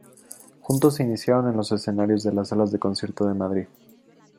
Juntos se iniciaron en los escenarios de las salas de conciertos de Madrid.